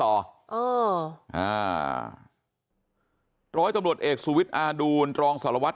เอออ่าร้อยตำรวจเอกสุวิทย์อาดูลรองสารวัตร